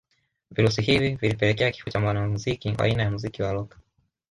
Virusi hivi vilipelekea kifo cha mwanamuziki wa aina ya muziki wa rock